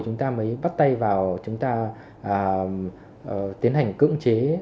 chúng ta mới bắt tay vào chúng ta tiến hành cưỡng chế